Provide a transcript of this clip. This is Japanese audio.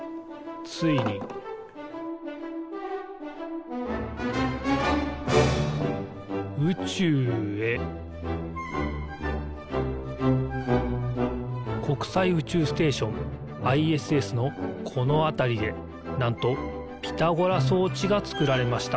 ついに宇宙へ国際宇宙ステーションＩＳＳのこのあたりでなんとピタゴラそうちがつくられました。